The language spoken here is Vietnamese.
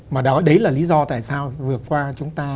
mà đấy là lý do tại sao vượt qua chúng ta